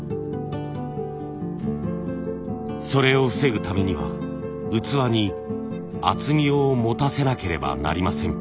それを防ぐためには器に厚みをもたせなければなりません。